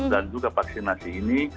dan juga vaksinasi ini